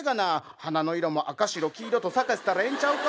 花の色も赤白黄色と咲かしたらえんちゃうか？